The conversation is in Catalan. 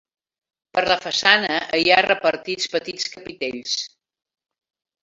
Per la façana hi ha repartits petits capitells.